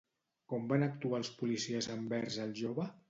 Com van actuar els policies envers el jove?